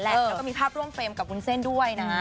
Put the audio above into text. แล้วก็มีภาพร่วมเฟรมกับวุ้นเส้นด้วยนะ